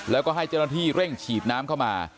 แล้วก็ให้เจ้าหน้าที่เร่งฉีดน้ำเข้ามา